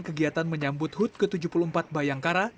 kegiatan menyambut hut ke tujuh puluh empat bayangkara